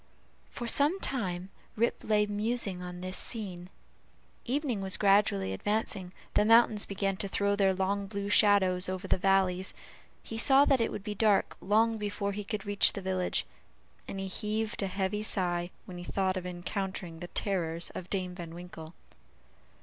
For some time Rip lay musing on this scene; evening was gradually advancing; the mountains began to throw their long blue shadows over the valleys; he saw that it would be dark long before he could reach the village; and he heaved a heavy sigh when he thought of encountering the terrors of Dame Van Winkle.